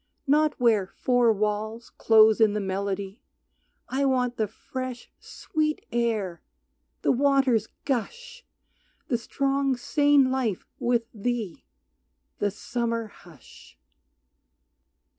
Not where four walls close in the melody I want the fresh, sweet air, the water's gush, The strong, sane life with thee, the summer hush.